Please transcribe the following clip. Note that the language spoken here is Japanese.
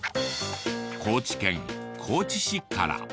高知県高知市から。